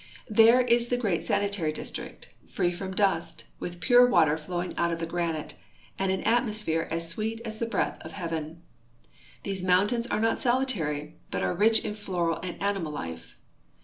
There is the great sanitary district, free from dust, with pure water flowing out of the granite, and an atmosphere as sweet as the breath of heaven. These mountains are not solitary, but are rich in floral and animal life.